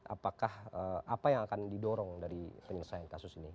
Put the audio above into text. apakah apa yang akan didorong dari penyelesaian kasus ini